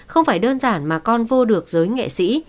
không phải đơn giản mà con vô được giới nghệ sĩ